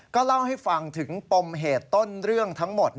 ก็เล่าให้ฟังถึงปมเหตุต้นเรื่องทั้งหมด